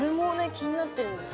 気になってるんですよ。